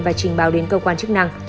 và trình báo đến cơ quan chức năng